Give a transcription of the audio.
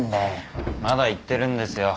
まだ言ってるんですよ